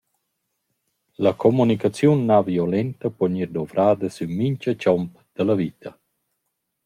La comunicaziun na violenta po gnir dovrada sün mincha chomp da la vita.